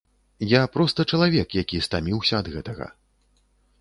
Я проста чалавек, які стаміўся ад гэтага.